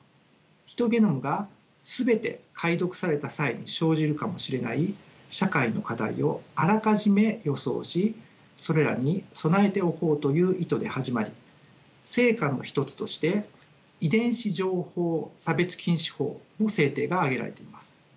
ヒトゲノムが全て解読された際に生じるかもしれない社会の課題をあらかじめ予想しそれらに備えておこうという意図で始まり成果の一つとして遺伝子情報差別禁止法の制定が挙げられています。